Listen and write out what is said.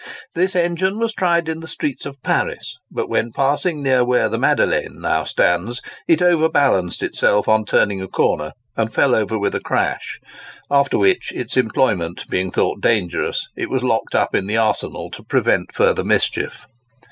This engine was tried in the streets of Paris; but when passing near where the Madeleine now stands, it overbalanced itself on turning a corner, and fell over with a crash; after which, its employment being thought dangerous, it was locked up in the arsenal to prevent further mischief.